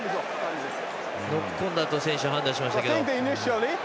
ノックオンだと選手は判断しましたけど。